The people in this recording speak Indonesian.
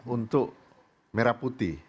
untuk merah putih